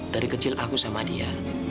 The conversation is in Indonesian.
dari kecil aku sama dia